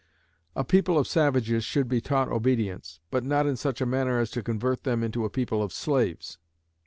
A people of savages should be taught obedience, but not in such a manner as to convert them into a people of slaves.